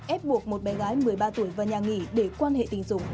êp buộc một bé gái một mươi ba tuổi vào nhà nghỉ để quan hệ tình dụng